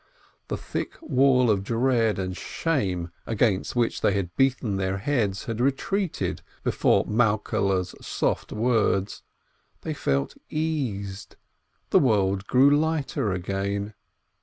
The great thick wall of dread and shame against which they had beaten their heads had retreated before Malkehle's soft words; they felt eased; the world grew lighter again.